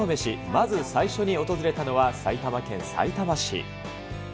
まず最初に訪れたのは、埼玉県さいたま市。